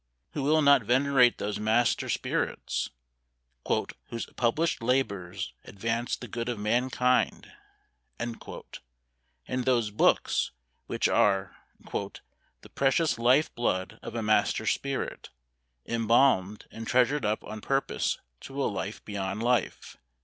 Who will not venerate those master spirits "whose PUBLISHED LABOURS advance the good of mankind," and those BOOKS which are "the precious life blood of a master spirit, imbalmed and treasured up on purpose to a life beyond life?"